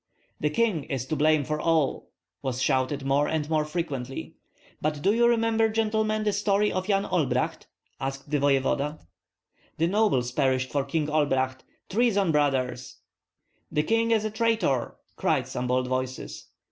"The king is to blame for all!" was shouted more and more frequently. "But do you remember, gentlemen, the history of Yan Olbracht?" asked the voevoda. "The nobles perished for King Olbracht. Treason, brothers!" "The king is a traitor!" cried some bold voices.